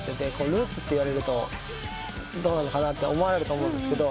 ルーツっていわれるとどうなのかなと思われると思うんですけど。